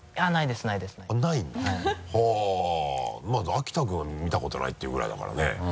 秋田君が見たことないっていうぐらいだからね。